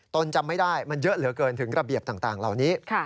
ตนจำไม่ได้มันเยอะเหลือเกินถึงระเบียบต่างเหล่านี้